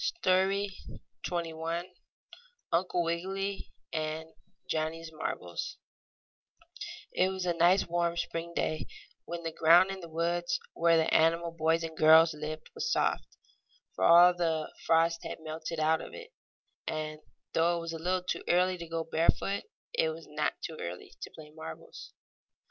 STORY XXI UNCLE WIGGILY AND JOHNNIE'S MARBLES It was a nice, warm spring day, when the ground in the woods where the animal boys and girls lived was soft, for all the frost had melted out of it; and, though it was a little too early to go barefoot, it was not too early to play marbles.